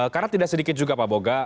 karena tidak sedikit juga pak boga